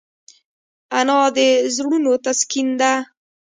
انا د زړونو تسکین ده